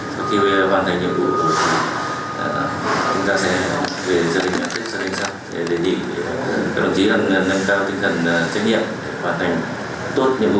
sau khi hoàn thành nhiệm vụ chúng ta sẽ về cho tỉnh cao bằng để tìm các đồng chí nâng cao tinh thần trách nhiệm để hoàn thành tốt nhiệm vụ